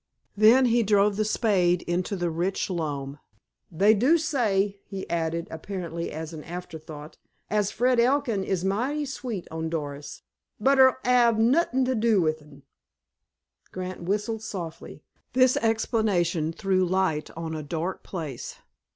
Then he drove the spade into the rich loam. "They do say," he added, apparently as an after thought, "as Fred Elkin is mighty sweet on Doris, but her'll 'ave nowt to do wi' un." Grant whistled softly. This explanation threw light on a dark place.